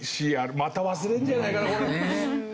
また忘れるんじゃないかなこれ。